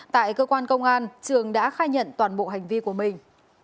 tại cơ quan công an trường đã khai nhận toàn bộ hành vi của mình